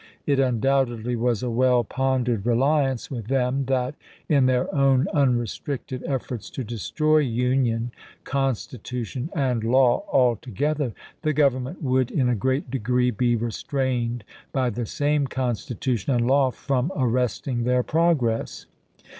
It undoubtedly was a well pondered reliance with them that, in their own unrestricted efforts to destroy Union, Con stitution, and law all together, the Government would, in a great degree, be restrained by the same Constitution and law from arresting their progress.